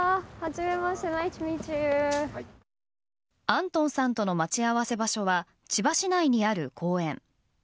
アントンさんとの待ち合わせ場所は千葉市内にある公園。